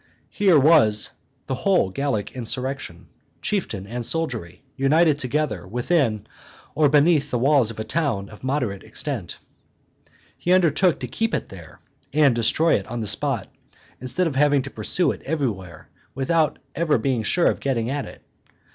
Here was the whole Gallic insurrection, chieftain and soldiery, united together within or beneath the walls of a town of moderate extent. He undertook to keep it there and destroy it on the spot, instead of having to pursue it everywhere without ever being sure of getting at it.